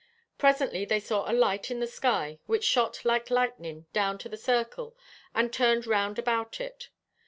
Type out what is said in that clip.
Presently they saw a light in the sky, which shot like lightning down to the circle, and turned round about it.